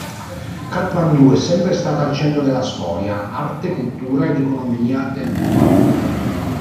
Katmandu è sempre stata al centro della storia, arte, cultura ed economia del Nepal.